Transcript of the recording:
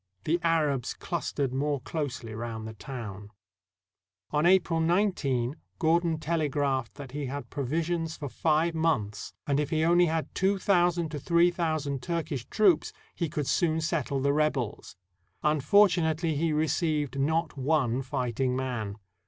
The Arabs clus tered more closely round the town. On April 19, Gordon telegraphed that he had provi sions for five months, and if he only had two thousand to three thousand Turkish troops he could soon settle the rebels. Unfortunately, he received not one fighting man.